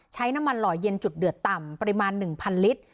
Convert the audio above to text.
ใช้น้ำมันหล่อเย็นจุดเดือดต่ำปริมาณ๑๐๐ลิตร